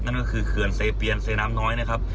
นั่นก็คือเขื่อนเซเปียนเซน้ำน้อยนะครับ